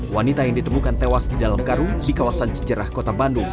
wanita yang ditemukan tewas di dalam karung di kawasan cicerah kota bandung